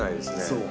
そう。